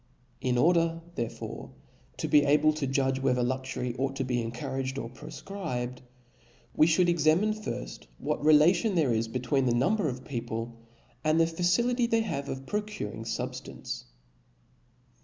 In order therefore to be abk to judge whether luxury ought to be encou raged or profcribedj we (hould examine firft what telatioii there is between the number of people and the facility they have of procuring fubfiftence.